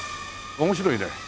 面白いね！